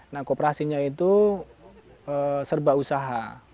nah kooperasinya itu serba usaha